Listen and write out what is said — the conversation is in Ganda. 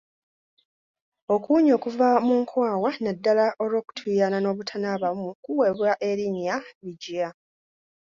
Okuwunya okuva mu nkwawa naddala olw’okutuuyana n’obutanaabamu kuweebwa erinnya Bigiya.